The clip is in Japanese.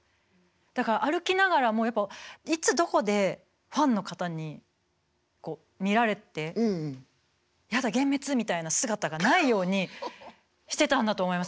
だから歩きながらもいつどこでファンの方に見られて「やだ幻滅」みたいな姿がないようにしてたんだと思います。